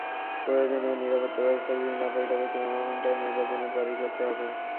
প্রয়োজনীয় নিরাপত্তাব্যবস্থা যদি না পাই, তবে টুর্নামেন্টটা নির্বাচনের পরেই করতে হবে।